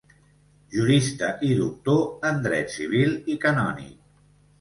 Jurista i doctor en dret civil i canònic.